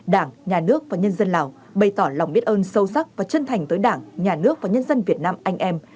đảng nhà nước và nhân dân lào bày tỏ lòng biết ơn sâu sắc và chân thành tới đảng nhà nước và nhân dân việt nam anh em